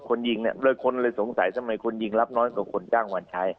คนยิงโดยคนเลยสงสัยทำไมคนยิงรับน้อยกว่าคนจ้างวัญชัย